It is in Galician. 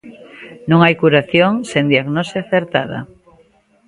Non hai curación sen diagnose acertada.